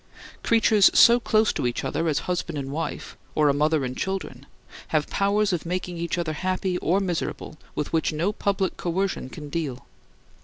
Creatures so close to each other as husband and wife, or a mother and children, have powers of making each other happy or miserable with which no public coercion can deal.